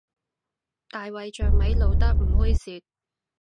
大衛像咪露得唔猥褻